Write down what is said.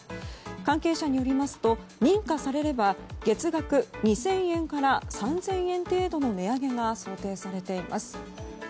関係者によりますと認可されれば月額２０００円から３０００円程度の値上げが想定されています。